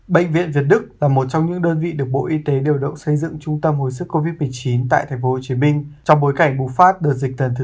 bệnh viện việt đức là một trong những đơn vị được bộ y tế điều động xây dựng trung tâm hồi sức covid một mươi chín tại tp hcm trong bối cảnh bùng phát đợt dịch tần thứ hai